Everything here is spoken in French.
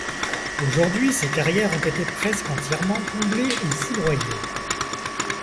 Aujourd'hui, ces carrières ont été presque entièrement comblées ou foudroyées.